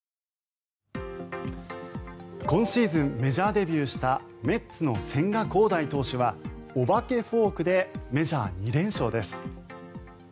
今シーズンメジャーデビューしたメッツの千賀滉大投手はお化けフォークでメジャー２連勝です。